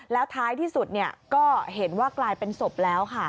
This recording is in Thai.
แล้วท้ายที่สุดก็เห็นว่ากลายเป็นศพแล้วค่ะ